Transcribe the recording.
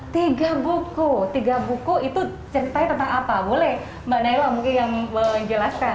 tiga buku tiga buku itu ceritanya tentang apa boleh mbak naila mungkin yang menjelaskan